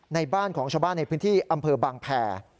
ในบ้านของชาวบ้านในพื้นที่อำเภอบางแผ่